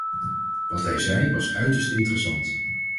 Wat hij zei, was uiterst interessant.